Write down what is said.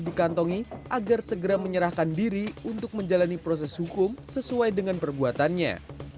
dikantongi agar segera menyerahkan diri untuk menjalani proses hukum sesuai dengan perbuatannya